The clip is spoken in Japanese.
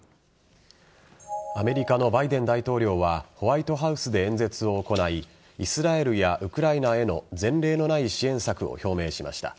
アメリカのバイデン大統領はホワイトハウスで演説を行いイスラエルやウクライナへの前例のない支援策を表明しました。